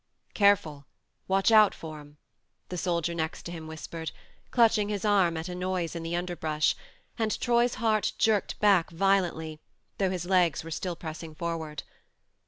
" Careful ... watch out for 'em ..." the soldier next to him whispered, clutching his arm at a noise in the underbrush ; and Troy's heart jerked back violently, though his legs were still pressing forward.